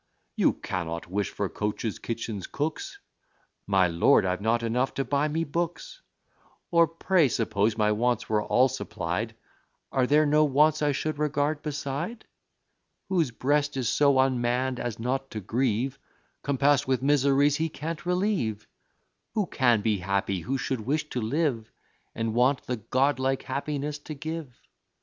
You cannot wish for coaches, kitchens, cooks " "My lord, I've not enough to buy me books Or pray, suppose my wants were all supplied, Are there no wants I should regard beside? Whose breast is so unmann'd, as not to grieve, Compass'd with miseries he can't relieve? Who can be happy who should wish to live, And want the godlike happiness to give?